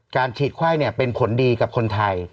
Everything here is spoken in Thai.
การฉีดไข้เนี่ยเป็นผลดีกับคนไทย